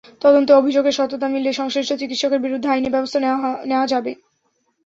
তদন্তে অভিযোগের সত্যতা মিললে সংশ্লিষ্ট চিকিৎসকের বিরুদ্ধে আইনি ব্যবস্থা নেওয়া যাবে।